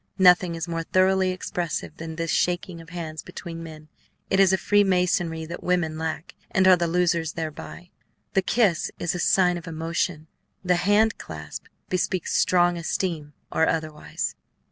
Nothing is more thoroughly expressive than this shaking of hands between men. It is a freemasonry that women lack and are the losers thereby. The kiss is a sign of emotion; the hand clasp bespeaks strong esteem or otherwise.